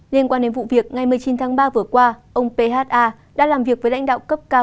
liên quan đến vụ việc ngày một mươi chín tháng ba vừa qua ông phha đã làm việc với lãnh đạo cấp cao